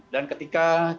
dan ketika kita